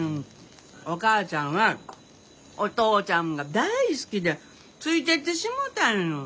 お母ちゃんはお父ちゃんが大好きでついていってしもうたんよ。